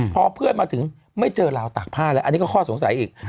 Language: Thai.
พอเพื่อนมาถึงไม่เจอราวตากผ้าแล้วอันนี้ก็ข้อสงสัยอีก